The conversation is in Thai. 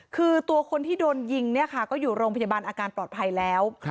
คือตัวคนที่โดนยิงเนี่ยค่ะก็อยู่โรงพยาบาลอาการปลอดภัยแล้ว